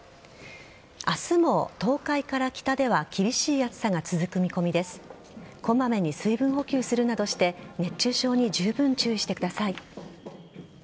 明日も東海から北では厳しい暑さが続く見込みでこまめに水分補給するなどして熱中症にじゅうぶん注意してください。